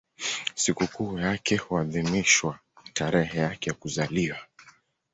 Sikukuu yake huadhimishwa tarehe yake ya kuzaliwa.